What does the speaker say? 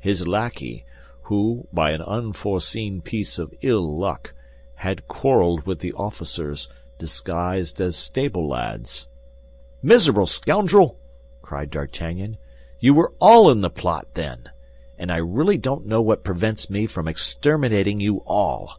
His lackey, who, by an unforeseen piece of ill luck, had quarreled with the officers, disguised as stable lads—" "Miserable scoundrel!" cried D'Artagnan, "you were all in the plot, then! And I really don't know what prevents me from exterminating you all."